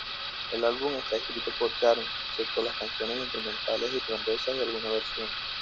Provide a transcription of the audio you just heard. El álbum está escrito por Sharon, excepto las canciones instrumentales irlandesas y alguna versión.